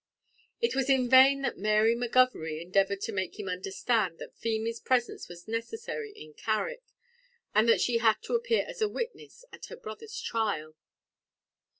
It was in vain that Mary McGovery endeavoured to make him understand that Feemy's presence was necessary in Carrick, and that she had to appear as a witness at her brother's trial.